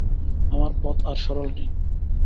আমার পথ আর সরল নেই।